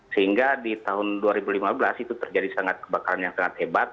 sehingga di tahun dua ribu lima belas itu terjadi sangat kebakaran yang sangat hebat